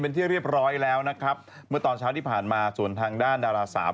เป็นที่เรียบร้อยแล้วนะครับเมื่อตอนเช้าที่ผ่านมาส่วนทางด้านดาราสาว